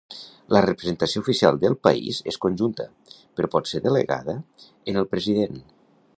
La representació oficial del país és conjunta, però pot ser delegada en el president.